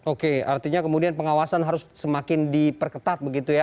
oke artinya kemudian pengawasan harus semakin diperketat begitu ya